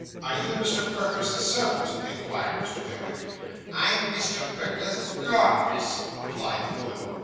Are you Mr. Perker's servant?' inquired Mr. Pickwick. 'I am Mr. Perker's laundress,' replied the woman.